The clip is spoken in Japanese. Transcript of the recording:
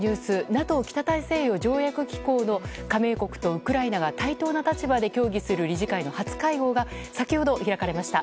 ＮＡＴＯ・北大西洋条約機構の加盟国とウクライナが対等な立場で協議する理事会の初会合が先ほど開かれました。